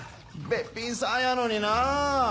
べっぴんさんやのになぁ。